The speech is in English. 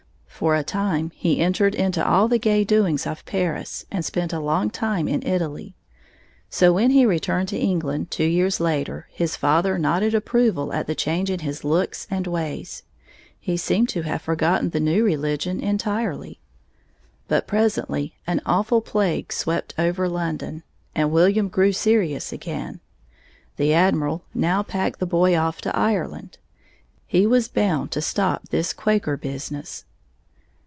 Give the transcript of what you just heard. For a time he entered into all the gay doings of Paris and spent a long time in Italy. So when he returned to England, two years later, his father nodded approval at the change in his looks and ways. He seemed to have forgotten the new religion entirely. But presently an awful plague swept over London, and William grew serious again. The Admiral now packed the boy off to Ireland. He was bound to stop this Quaker business.